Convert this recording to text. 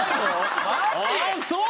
ああそう？